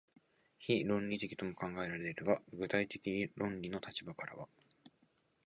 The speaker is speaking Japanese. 非論理的とも考えられるが、具体的論理の立場からは、